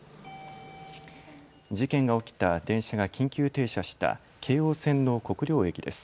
事件が起きた電車が緊急停車した京王線の国領駅です。